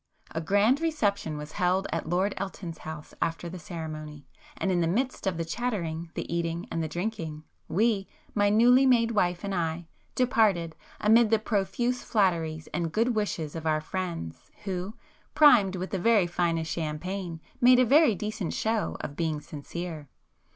A grand reception was held at Lord Elton's house after the ceremony,—and in the midst of the chattering, the eating and the drinking, we,—my newly made wife and I,—departed amid the profuse flatteries and good wishes of our 'friends' who, primed with the very finest champagne, made a very decent show of being sincere.